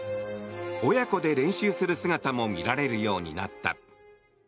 親子で練習する姿も見られるようになった。